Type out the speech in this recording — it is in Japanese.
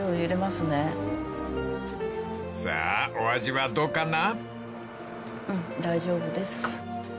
［さあお味はどうかな？］